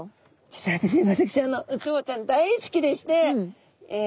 私ウツボちゃん大好きでしてえ